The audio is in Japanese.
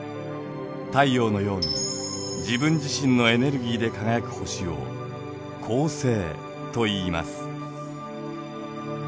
太陽のように自分自身のエネルギーで輝く星を恒星といいます。